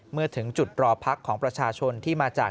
เมื่อถึงจุดรอพักของประชาชนที่มาจาก